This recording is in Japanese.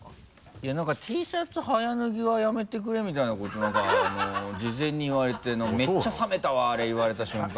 いや何か「Ｔシャツ早脱ぎ」はやめてくれみたいなことを何か事前に言われてめっちゃ冷めたわあれ言われた瞬間。